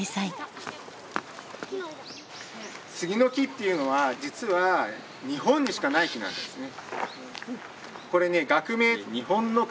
杉の木っていうのは実は日本にしかない木なんですね。